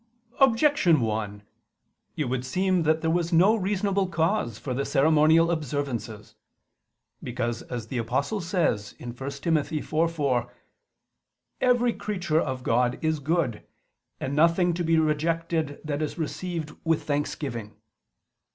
Objection 1: It would seem that there was no reasonable cause for the ceremonial observances. Because, as the Apostle says (1 Tim. 4:4), "every creature of God is good, and nothing to be rejected that is received with thanksgiving."